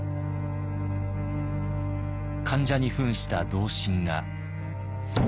患者にふんした同心が。